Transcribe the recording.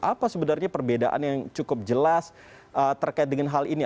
apa sebenarnya perbedaan yang cukup jelas terkait dengan hal ini